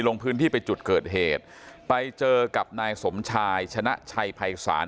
ลงพื้นที่ไปจุดเกิดเหตุไปเจอกับนายสมชายชนะชัยภัยศาล